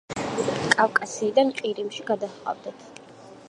კავკასიიდან ყირიმში გადაჰყავდათ.